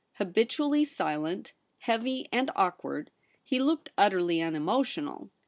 Habitually silent, heavy and awkward, he looked utterly unemotional.